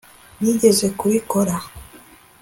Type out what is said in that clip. nigeze kubikora